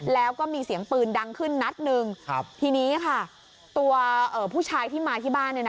แล้วก็มีเสียงปืนดังขึ้นนัดหนึ่งครับทีนี้ค่ะตัวเอ่อผู้ชายที่มาที่บ้านเนี่ยนะ